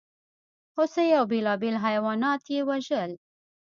هوسۍ او بېلابېل حیوانات یې وژل.